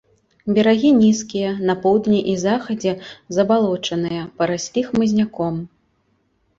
Берагі нізкія, на поўдні і захадзе забалочаныя, параслі хмызняком.